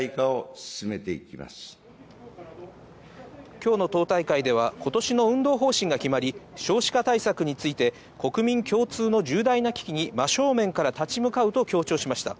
今日の党大会では、今年の運動方針が決まり、少子化対策について国民共通の重大な危機に真正面から立ち向かうと強調しました。